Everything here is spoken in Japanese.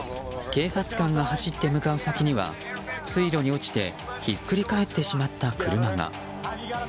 警察官が走って向かう先には水路に落ちてひっくり返ってしまった車が。